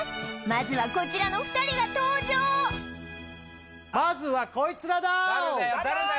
まずはこちらの２人が登場まずはこいつらだ！